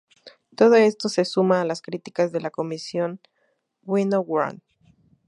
Todo esto se suma a las críticas de la comisión Winograd.